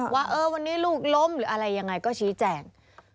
ว่าวันนี้ลูกล้มหรืออะไรยังไงก็ชี้แจง